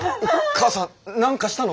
母さんなんかしたの？